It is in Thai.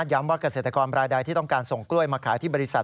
ว่าเกษตรกรรายใดที่ต้องการส่งกล้วยมาขายที่บริษัท